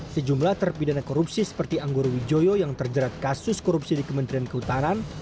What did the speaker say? sejumlah terpidana korupsi seperti anggoro wijoyo yang terjerat kasus korupsi di kementerian kehutanan